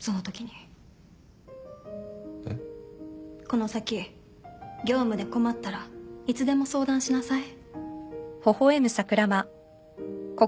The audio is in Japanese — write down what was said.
この先業務で困ったらいつでも相談しなさい。